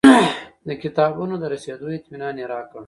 د کتابونو د رسېدو اطمنان یې راکړ.